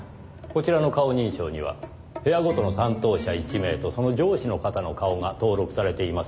こちらの顔認証には部屋ごとの担当者１名とその上司の方の顔が登録されていますね。